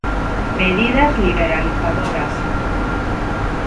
Medidas liberalizadoras.